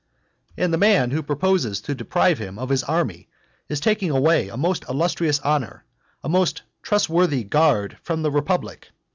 And the man who proposes to deprive him of his army, is taking away a most illustrious honour, and a most trustworthy guard from the republic.